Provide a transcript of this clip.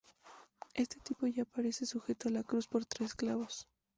Este tipo ya aparece sujeto a la cruz por tres clavos.